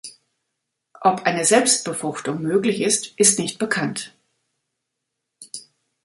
Ob eine Selbstbefruchtung möglich ist, ist nicht bekannt.